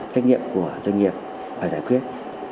trách nhiệm của doanh nghiệp phải giải quyết